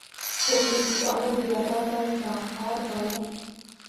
خو کليوالو بيا دا ځای پړانګ غار باله.